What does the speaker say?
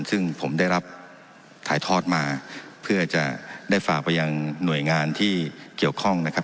ซึ่งผมได้รับถ่ายทอดมาเพื่อจะได้ฝากไปยังหน่วยงานที่เกี่ยวข้องนะครับ